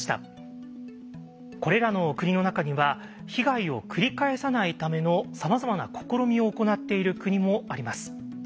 これらの国の中には被害を繰り返さないためのさまざまな試みを行っている国もあります。